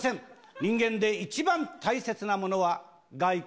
人間で一番大切なものは、外見。